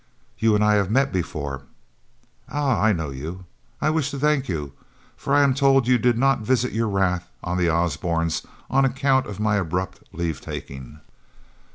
"You and I have met before." "Ah! I know you now. I wish to thank you, for I am told you did not visit your wrath on the Osbornes on account of my abrupt leave taking."